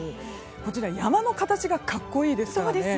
こちら、山の形が格好いいですからね。